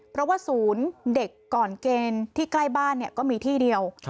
เพราะว่าศูนย์เด็กก่อนเกณฑ์ที่ใกล้บ้านก็มีที่เดียว